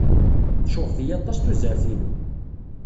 Tecɣeb-iyi aṭas tuzert-inu.